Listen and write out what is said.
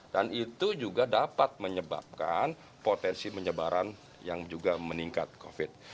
dan itu juga dapat menyebabkan potensi penyebaran yang juga meningkat covid sembilan belas